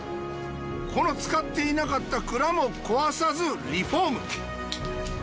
この使っていなかった蔵も壊さずリフォーム。